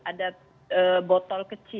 ada botol kecil